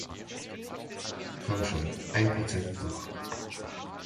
Komm schon, ein Prozent noch!